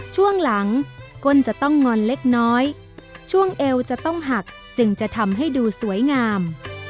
ช่วงหลังก้นจะต้องงอนเล็กน้อยช่วงเอวจะต้องหักจึงจะทำให้ดูสวยงาม